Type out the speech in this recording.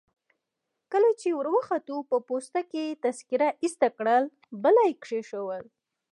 کله چي وروختو په پوسته کي يې تذکیره ایسته کړل، بله يي کښېښول.